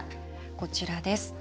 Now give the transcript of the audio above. こちらです。